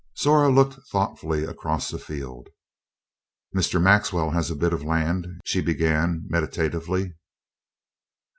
Zora looked thoughtfully across the field "Mr. Maxwell has a bit of land," she began meditatively.